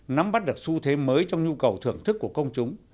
nắm bắt được xu thế mới trong nhu cầu thưởng thức của công chúng